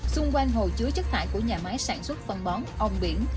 xung quanh hồ chứa chất thải của nhà máy sản xuất phân bón ong biển